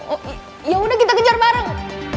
oh ya udah kita kejar bareng